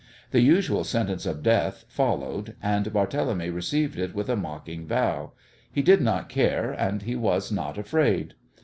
The usual sentence of death followed, and Barthélemy received it with a mocking bow. He did not care, and he was not afraid.